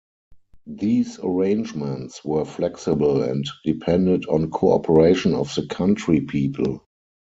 These arrangements were flexible and depended on cooperation of the country people.